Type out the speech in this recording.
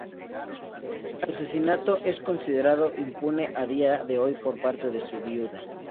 Su asesinato es considerado impune a día de hoy por parte de su viuda.